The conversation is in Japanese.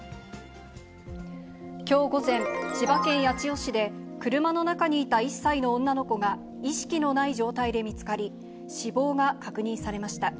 きょう午前、千葉県八千代市で、車の中にいた１歳の女の子が意識のない状態で見つかり、死亡が確認されました。